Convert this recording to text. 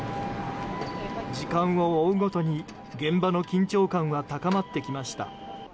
時間を追うごとに、現場の緊張感は高まってきました。